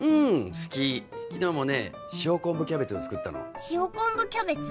好き昨日もね塩昆布キャベツを作ったの塩昆布キャベツ？